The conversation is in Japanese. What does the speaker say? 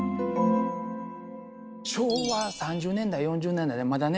昭和３０年代４０年代まだね